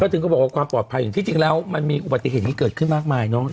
ถึงก็บอกว่าความปลอดภัยอย่างที่จริงแล้วมันมีอุบัติเหตุนี้เกิดขึ้นมากมายเนอะ